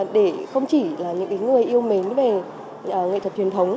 để không chỉ là những người yêu mến về nghệ thuật truyền thống